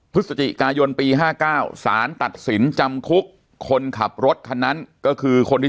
พฤศจิกายนปี๕๙สารตัดสินจำคุกคนขับรถคันนั้นก็คือคนที่